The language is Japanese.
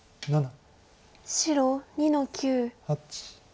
白２の九。